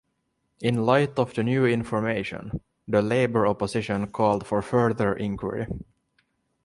In light of the new information, the Labor opposition called for further inquiry.